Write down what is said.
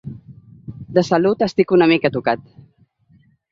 De salut estic una mica tocat.